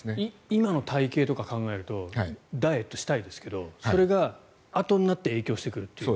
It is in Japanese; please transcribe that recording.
今の体形とか考えるとダイエットしたいですけどそれがあとになって影響してくるという。